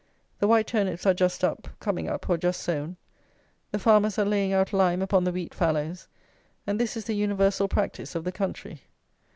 The white turnips are just up, coming up, or just sown. The farmers are laying out lime upon the wheat fallows, and this is the universal practice of the country.